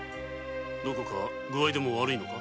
どこか具合でも悪いのか？